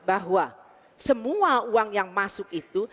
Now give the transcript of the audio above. bahwa semua uang yang masuk itu